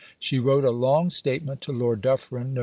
She wrote a long statement to Lord Dufferin (Nov.